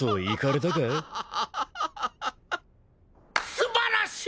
素晴らしい！